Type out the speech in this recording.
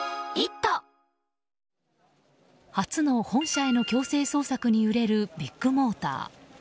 初の本社への強制捜索に揺れるビッグモーター。